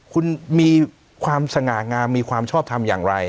คุณมีความสง่างามมีความชอบทำอย่างไร